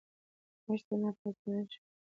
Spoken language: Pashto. مچ د ناپاکۍ نښه ده